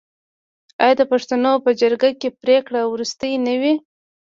آیا د پښتنو په جرګه کې پریکړه وروستۍ نه وي؟